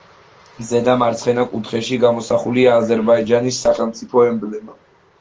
ზედა მარცხენა კუთხეში გამოსახულია აზერბაიჯანის სახელმწიფო ემბლემა.